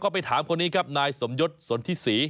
ไปถามคนนี้ครับนายสมยศสนทิศรี